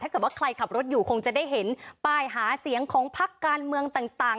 ถ้าเกิดว่าใครขับรถอยู่คงจะได้เห็นป้ายหาเสียงของพักการเมืองต่าง